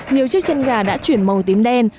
nhiều chiếc chân gà đã chuyển màu tím đen